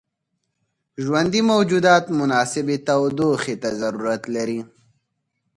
ژوندي موجودات مناسبې تودوخې ته ضرورت لري.